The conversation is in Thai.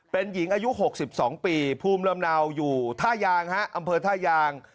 เป็นหญิงอายุ๖๒ปีภูมิลำเนาอยู่ท่ายางฮะอำเภอท่ายาง